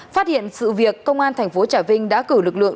phát hiện sự việc công an thành phố trà vinh đã cử lực lượng